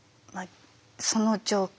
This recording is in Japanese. その状況